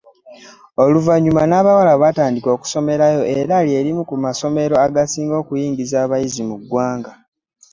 Oluvannyuma n’abawala baatandika okusomerayo era lye limu ku masomero agasinga okuyisa abayizi mu ggwanga.